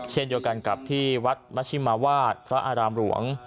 เช่นเดียวกันกับที่วัดมชิมาวาดพระอารามหลวง